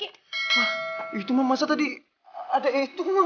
ah itu mah masa tadi ada itu mah